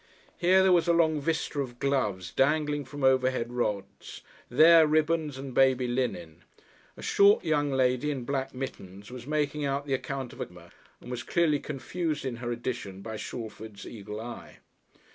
Here there was a long vista of gloves dangling from overhead rods, there ribbons and baby linen. A short young lady in black mittens was making out the account of a customer, and was clearly confused in her addition by Shalford's eagle eye.